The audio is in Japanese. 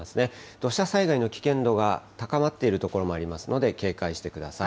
土砂災害の危険度が高まっている所もありますので、警戒してください。